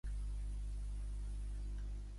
Es diu Jade: jota, a, de, e.